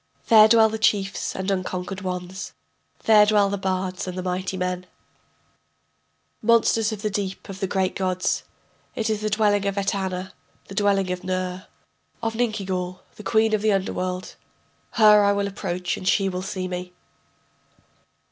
There dwell the chiefs and unconquered ones, There dwell the bards and the mighty men, Monsters of the deep of the great gods. It is the dwelling of Etana, the dwelling of Ner, Of Ninkigal, the queen of the underworld.... Her I will approach and she will see me.